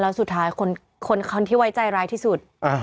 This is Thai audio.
แล้วสุดท้ายคนที่ไว้ใจร้ายที่สุด